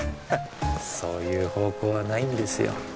そういう方向はないんですよ